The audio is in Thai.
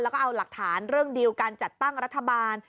แล้วก็เอาหลักฐานเรื่องดีลการจัดตั้งรัฐบาล